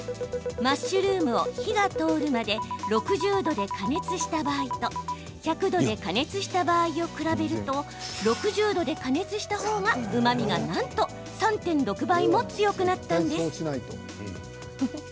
マッシュルームを火が通るまで６０度で加熱した場合と１００度で加熱した場合を比べると６０度で加熱した方がうまみがなんと３．６倍も強くなったんです。